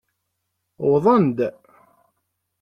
Wwḍen-d.